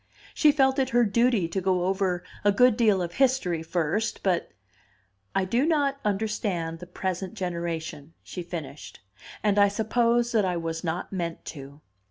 She felt it her duty to go over a good deal of history first, but: "I do not understand the present generation," she finished, "and I suppose that I was not meant to."